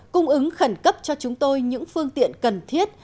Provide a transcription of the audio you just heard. cung ứng khẩn cấp cho chúng tôi những phương tiện cần thiết